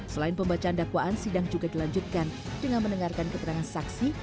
selain pembacaan dakwaan sidang juga dilanjutkan dengan mendengarkan keterangan saksi